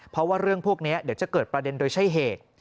เพราะว่าเรื่องพวกนี้เดี๋ยวจะเกิดประเด็นโดยใช่เหตุ